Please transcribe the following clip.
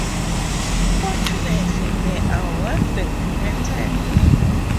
Fortunately they are well documented.